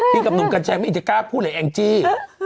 พี่กับหนุ่มกันแชมไม่อินจะกล้าพูดอะไรแองจี้